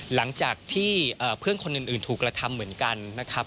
หลังจากที่เพื่อนคนอื่นถูกกระทำเหมือนกันนะครับ